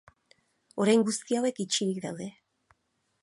Orain guzti hauek itxirik daude.